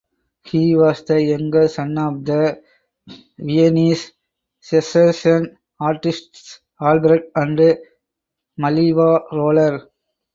He was the younger son of the Viennese Secession artists Alfred and Mileva Roller.